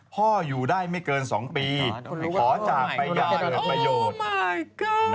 พ่ออยู่ได้ไม่เกิน๒ปีขอจากประโยชน์